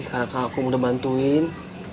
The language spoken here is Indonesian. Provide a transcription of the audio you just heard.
kakakku udah bantuin